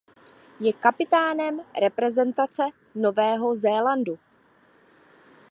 Je kapitánem reprezentace Nového Zélandu.